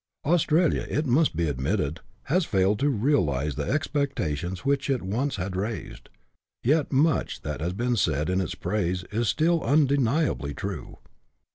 Australia, it must be admitted, has failed to realize the ex pectations which it once had raised ; yet much that has been said in its praise is still undeniably true.